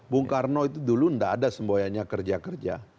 bung karno itu dulu tidak ada semboyanya kerja kerja